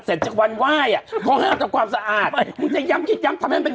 เสร็จจากวันไหว้อ่ะเขาห้ามทำความสะอาดคุณจะย้ำคิดย้ำทำให้มันเป็น